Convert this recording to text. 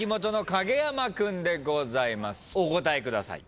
お答えください。